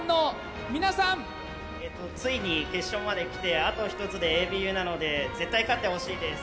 ついに決勝まで来てあと１つでＡＢＵなので絶対勝ってほしいです。